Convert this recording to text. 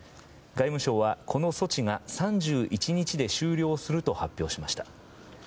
外務省はこの措置が３１日で終了すると発表しました。